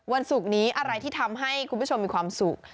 ศุกร์นี้อะไรที่ทำให้คุณผู้ชมมีความสุข